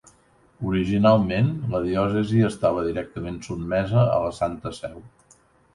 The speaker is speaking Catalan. Originalment, la diòcesi estava directament sotmesa a la Santa Seu.